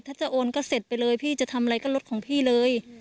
ถ้าจะโอนก็เสร็จไปเลยพี่จะทำอะไรก็รถของพี่เลย